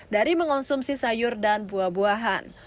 dari mengonsumsi sayur dan buah buahan